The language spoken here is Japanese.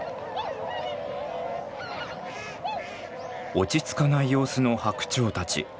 落ち着かない様子のハクチョウたち。